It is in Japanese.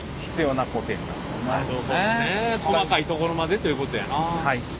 細かいところまでということやな。